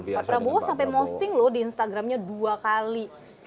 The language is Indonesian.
pak prabowo sampai mosting loh di instagramnya dua kali